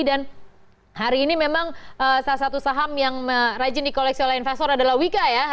dan hari ini memang salah satu saham yang rajin di koleksi oleh investor adalah wika ya